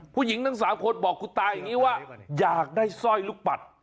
ทั้ง๓คนบอกคุณตาอย่างนี้ว่าอยากได้สร้อยลูกปัด